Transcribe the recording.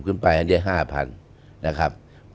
๘๐ขึ้นไปจะได้ห้าพันนะครับ